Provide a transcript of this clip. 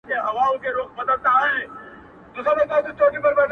که تریخ دی زما دی.